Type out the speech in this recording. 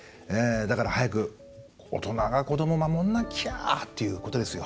だから早く大人が子どもを守らなきゃっていうことですよ。